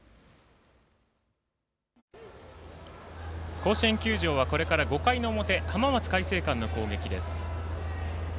甲子園球場はこれから５回の表浜松開誠館の攻撃です。